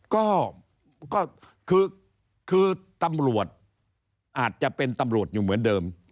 ก็คือตำรวจอาจจะเป็นตำรวจอยู่เหมือนเดิม